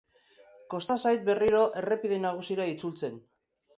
Kosta zait berriro errepide nagusira itzultzen.